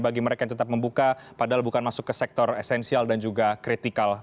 bagi mereka yang tetap membuka padahal bukan masuk ke sektor esensial dan juga kritikal